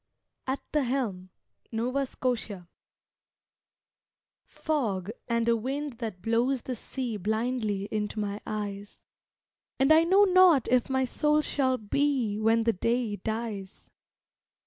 AT THE HELM (Nova Scotia) Fog, and a wind that blows the sea Blindly into my eyes. And I know not if my soul shall be When the day dies.